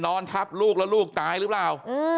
นอนทับลูกแล้วลูกตายหรือเปล่า